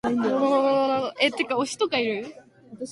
Her novel "La memoria dei corpi" (Mondadori) is translated in several Countries.